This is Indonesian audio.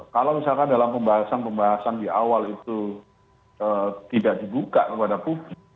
kalau misalkan dalam pembahasan pembahasan di awal itu tidak dibuka kepada publik